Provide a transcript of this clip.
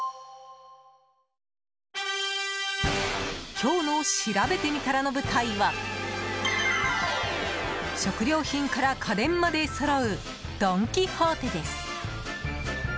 今日のしらべてみたらの舞台は食料品から家電までそろうドン・キホーテです。